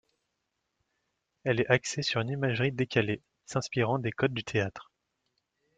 Elle est axée sur une imagerie décalée, s'inspirant des codes du théâtre.